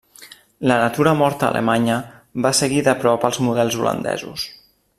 La natura morta alemanya va seguir de prop els models holandesos.